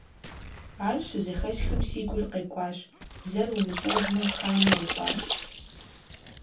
Ар щызэхэсхым, си гур къекӀуащ, бзэр умыщӀэжмэ, хамэ ухъуащ.